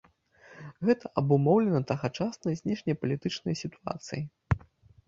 Гэта абумоўлена тагачаснай знешнепалітычнай сітуацыяй.